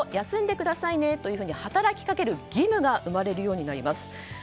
休んでくださいねと働きかける義務が生まれるようになります。